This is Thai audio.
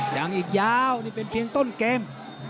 ยังอีกยาวนี่เป็นเพียงต้นเกม